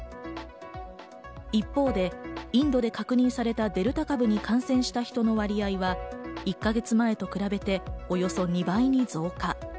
一方で、インドで確認されたデルタ株に感染した人の割合は１か月前と比べておよそ２倍に増加。